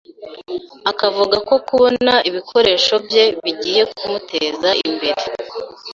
akavuga ko kubona ibikoresho bye bigiye kumuteza imbere